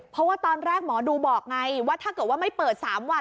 เพราะว่าตอนแรกหมอดูบอกไงว่าถ้าเกิดว่าไม่เปิด๓วัน